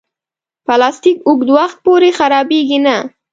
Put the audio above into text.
پلاستيک اوږد وخت پورې خرابېږي نه.